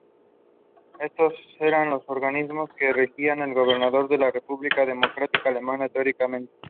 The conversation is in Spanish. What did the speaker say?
Estos eran los organismos que regían el Gobierno de la República Democrática Alemana teóricamente.